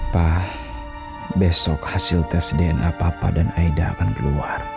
pak besok hasil tes dna papa dan aida akan keluar